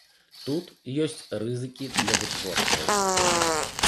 Тут ёсць рызыкі для вытворцаў.